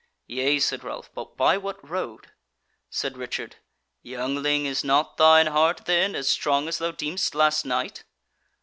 "Yea," said Ralph, "but by what road?" Said Richard: "Youngling is not thine heart, then, as strong as thou deemedst last night?"